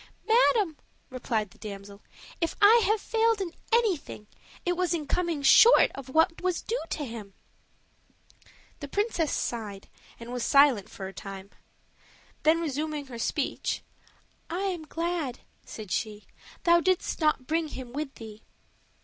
"Madam," replied the damsel, "if I have failed in anything, it was in coming short of what was due to him." The princess sighed and was silent for a time; then resuming her speech: "I am glad," said she, "thou didst not bring him with thee."